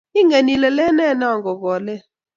ingen ile leene noo ko ke lel